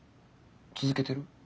続けてる？